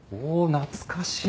懐かしい！